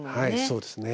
そうですね。